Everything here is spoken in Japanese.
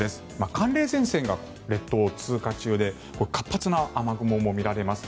寒冷前線が列島を通過中で活発な雨雲も見られます。